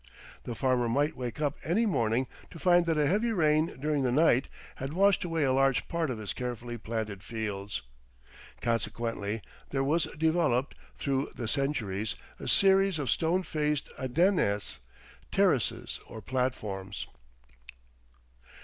The farmer might wake up any morning to find that a heavy rain during the night had washed away a large part of his carefully planted fields. Consequently there was developed, through the centuries, a series of stone faced andenes, terraces or platforms.